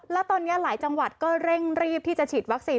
แล้วตอนนี้หลายจังหวัดก็เร่งรีบที่จะฉีดวัคซีน